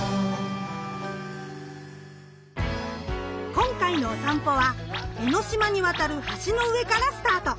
今回のおさんぽは江の島に渡る橋の上からスタート！